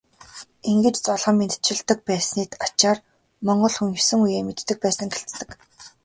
Ингэж золгон мэндчилдэг байсны ачаар монгол хүн есөн үеэ мэддэг байсан гэлцдэг.